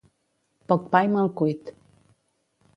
Poc pa i mal cuit.